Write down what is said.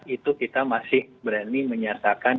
itu kita masih berani menyatakan